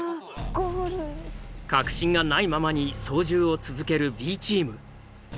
確信がないままに操縦を続けるＢチーム。